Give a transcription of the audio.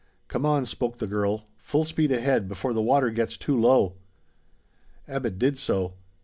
"Come on!" spoke the girl. "Full speed ahead, before the water gets too low." Abbot did so.